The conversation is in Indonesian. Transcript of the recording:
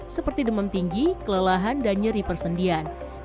seperti demam tinggi kelelahan dan nyeri persendian